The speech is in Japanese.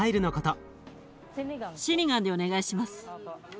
シニガンでお願いします。